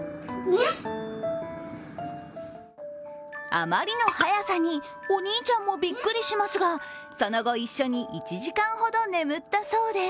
あまりの早さに、お兄ちゃんもびっくりしますがその後、一緒に１時間ほど眠ったそうです。